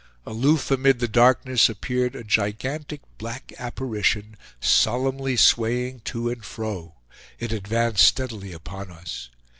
Aloof amid the darkness appeared a gigantic black apparition; solemnly swaying to and fro, it advanced steadily upon us.